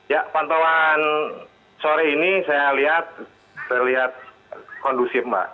ya pantauan sore ini saya lihat terlihat kondusif mbak